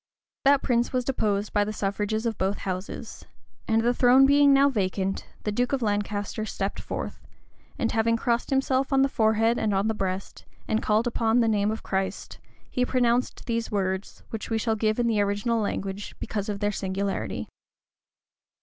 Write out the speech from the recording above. That prince was deposed by the suffrages of both houses; and the throne being now vacant, the duke of Lancaster stepped forth, and having crossed himself on the forehead and on the breast, and called upon the name of Christ,[*] he pronounced these words, which we shall give in the original language, because of their singularity.